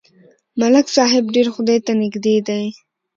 ملک صاحب ډېر خدای ته نږدې دی.